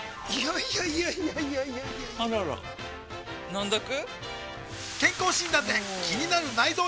いやいやいやいやあらら飲んどく？